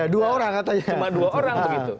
dua orang katanya cuma dua orang begitu